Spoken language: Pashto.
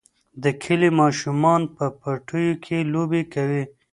د کلي ماشومان په پټیو کې لوبې کوي.